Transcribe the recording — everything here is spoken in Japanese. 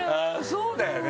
そうだよね！